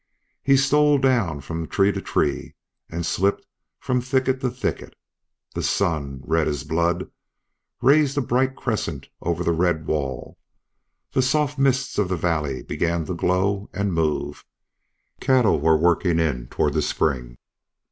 He stole down from tree to tree and slipped from thicket to thicket. The sun, red as blood, raised a bright crescent over the red wall; the soft mists of the valley began to glow and move; cattle were working in toward the spring.